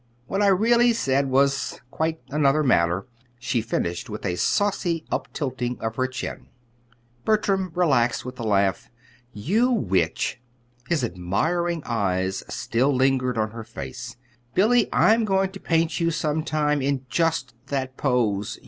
What I really said was quite another matter," she finished with a saucy uptilting of her chin. Bertram relaxed with a laugh. "You witch!" His admiring eyes still lingered on her face. "Billy, I'm going to paint you sometime in just that pose.